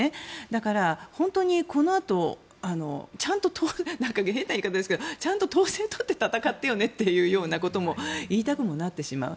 だから、本当にこのあとちゃんと変な言い方ですけれどもちゃんと統制を取って戦ってよねということを言いたくもなってしまう。